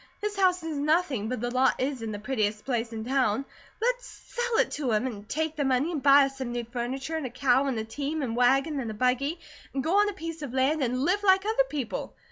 This house is nothing, but the lot is in the prettiest place in town. Let's sell it to him, and take the money, and buy us some new furniture and a cow, and a team, and wagon, and a buggy, and go on a piece of land, and live like other people.